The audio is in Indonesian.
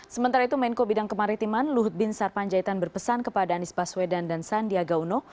sementara itu menko bidang kemaritiman luhut bin sarpanjaitan berpesan kepada anies baswedan dan sandiaga uno